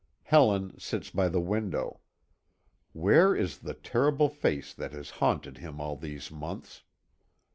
Helen sits by the window. Where is the terrible face that has haunted him all these months?